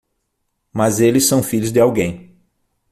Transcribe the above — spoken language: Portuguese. Mas eles são filhos de alguém.